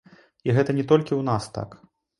І гэта не толькі ў нас так.